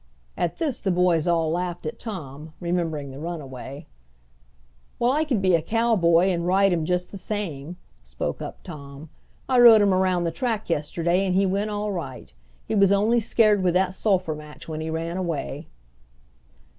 At this the boys all laughed at Tom, remembering the runaway. "Well, I could be a cowboy, and ride him just the same," spoke up Tom. "I rode him around the track yesterday, and he went all right. He was only scared with that sulphur match when he ran away."